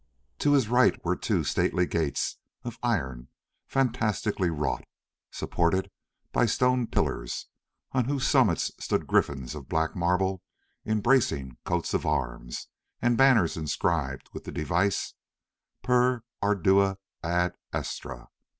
To his right were two stately gates of iron fantastically wrought, supported by stone pillars on whose summits stood griffins of black marble embracing coats of arms, and banners inscribed with the device Per ardua ad astra.